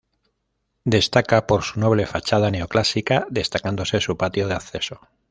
Destaca por su noble fachada neoclásica destacándose su patio de acceso.